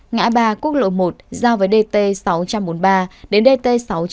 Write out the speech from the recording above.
ngã ba quốc lộ một giao với dt sáu trăm bốn mươi ba đến dt sáu trăm chín mươi